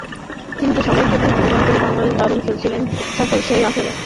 কিন্তু সবাইকে ভুল প্রমাণ করে বাংলাদেশ দারুণ খেলেছিল সাফের সেই আসরে।